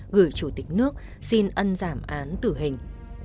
gửi chủ tịch nước xin ân giảm án tử hình